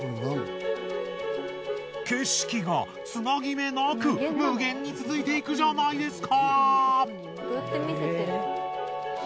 景色がつなぎ目なく無限に続いていくじゃないですか！